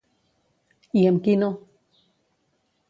I amb qui no?